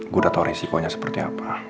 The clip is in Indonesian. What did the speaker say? gue udah tau risikonya seperti apa